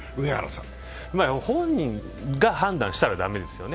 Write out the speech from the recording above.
本人が判断したら駄目ですよね。